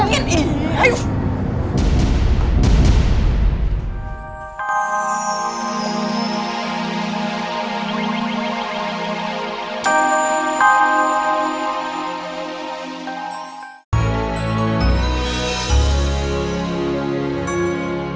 tante aku mau